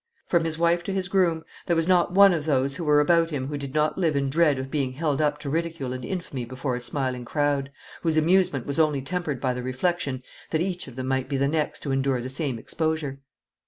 From his wife to his groom there was not one of those who were about him who did not live in dread of being held up to ridicule and infamy before a smiling crowd, whose amusement was only tempered by the reflection that each of them might be the next to endure the same exposure.